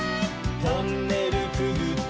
「トンネルくぐって」